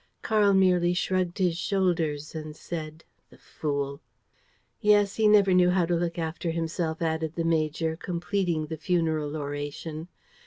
Karl merely shrugged his shoulders and said: "The fool!" "Yes, he never knew how to look after himself," added the major, completing the funeral oration.